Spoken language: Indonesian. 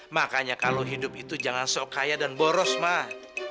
makanya kalau hidup itu jangan sok kaya dan boros mah